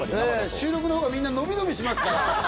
収録のほうがみんな伸び伸びしますから。